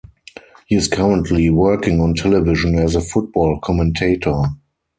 He is currently working on television as a football commentator.